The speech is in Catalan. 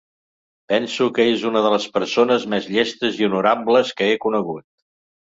Penso que és una de les persones més llestes i honorables que he conegut.